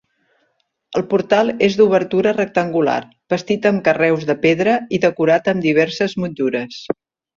El portal és d'obertura rectangular, bastit amb carreus de pedra i decorat amb diverses motllures.